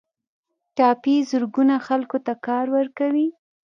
ټاپي زرګونه خلکو ته کار ورکوي